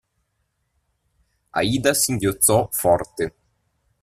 Aida singhiozzò forte.